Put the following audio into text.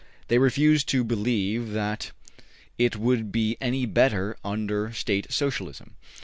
They refuse to believe that it would be any better under State Socialism.